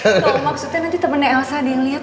maksudnya nanti temennya elsa ada yang liat